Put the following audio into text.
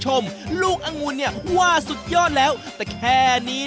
โอ้ยเดี๋ยวจะบอกให้